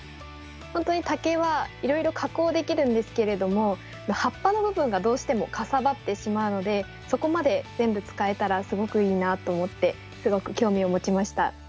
本当に竹はいろいろ加工できるんですけれども葉っぱの部分がどうしてもかさばってしまうのでそこまで全部使えたらすごくいいなと思ってすごく興味を持ちました。